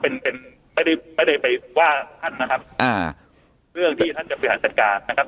เรื่องที่ท่านจะพลัยการจัดการนะครับ